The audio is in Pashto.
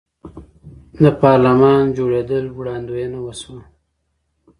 د پارلمان جوړیدل وړاندوینه وشوه.